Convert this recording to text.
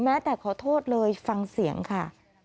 แต่ขอโทษเลยฟังเสียงค่ะ